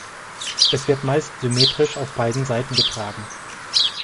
Es wird meist symmetrisch auf beiden Seiten getragen.